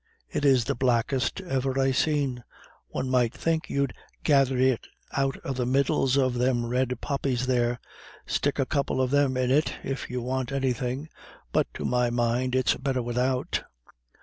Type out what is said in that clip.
It is the blackest ever I seen. One might think you'd gathered it out of the middles of them red poppies there. Stick a couple of them in it, if you want anythin'; but to my mind it's better widout.